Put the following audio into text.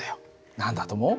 何だと思う？